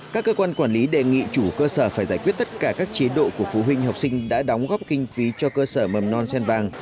các cơ quan quản lý đề nghị chủ cơ sở phải giải quyết tất cả các chế độ của phụ huynh học sinh đã đóng góp kinh phí cho cơ sở mầm non sen vàng